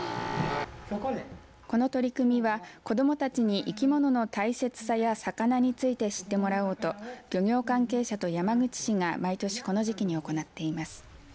この取り組みは子どもたちに生き物の大切さや魚について知ってもらおうと漁業関係者と山口市が毎年この時期に行っています。